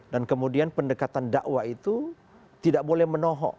dan kemudian pendekatan dakwah itu tidak boleh menohok